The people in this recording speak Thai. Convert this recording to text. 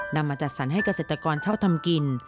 นำมาจัดสรรให้เกษตรกรชอบทำกิน